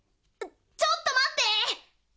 ちょっとまって！